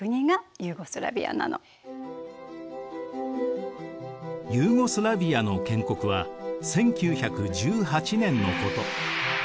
ユーゴスラヴィアの建国は１９１８年のこと。